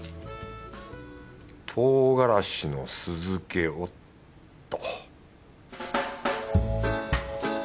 唐辛子の酢漬けをっと